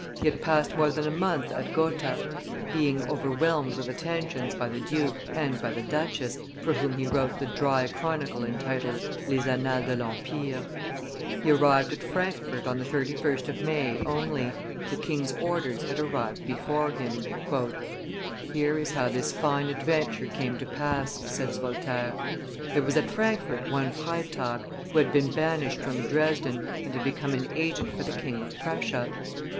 He had passed more than a month at Gotha, being overwhelmed with attentions by the duke, and by the duchess, for whom he wrote the dry chronicle entitled Les Annales de L'Empire. He arrived at Frankfort on the 31st of May only: the king's orders had arrived before him. "Here is how this fine adventure came to pass," says Voltaire. "There was at Frankfort one Freytag, who had been banished from Dresden, and had become an agent for the King of Prussia.